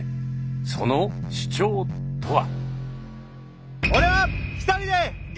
その主張とは。